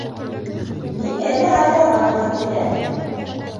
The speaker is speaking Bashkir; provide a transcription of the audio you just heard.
Миңә лә һайларға тура килә: